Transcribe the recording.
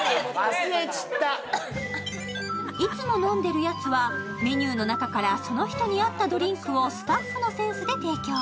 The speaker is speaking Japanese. いつも飲んでるやつはメニューの中からその人に合ったドリンクをスタッフのセンスで提供。